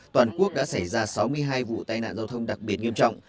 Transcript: toàn quốc đã xảy ra sáu mươi hai vụ tai nạn giao thông đặc biệt nghiêm trọng